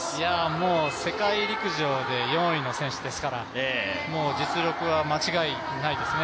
もう世界陸上で４位の選手ですから実力は間違いないですね。